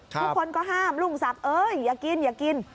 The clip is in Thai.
ทุกคนก็ห้ามลุงศักดิ์เอ้ยอย่ากินอย่ากิน